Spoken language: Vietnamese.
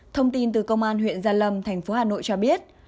thông tin từ công an huyện gia lâm thành phố hà nội cho biết